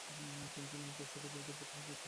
তিনি ছিলেন ক্রুসেডের বিরুদ্ধে প্রথম মুসলিম সেনাপতি।